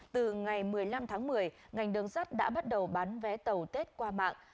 từ ngày một mươi năm tháng một mươi ngành đường sắt đã bắt đầu bán vé tàu tết qua mạng